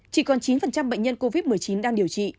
chỉ còn chín bệnh nhân covid một mươi chín đang điều trị